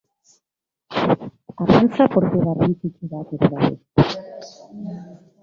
Arrantza portu garrantzitsu bat ere badu.